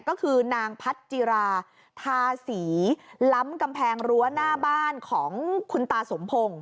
ก็คือนางพัจจิราทาศรีล้ำกำแพงรั้วหน้าบ้านของคุณตาสมพงศ์